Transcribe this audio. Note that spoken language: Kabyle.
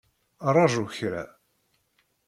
Ṛaju kra!